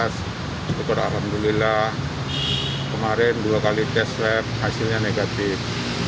syukur alhamdulillah kemarin dua kali tes swab hasilnya negatif